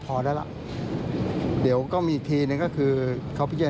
ข้าวเขราคาแค่เรื่องของป้อกเงิน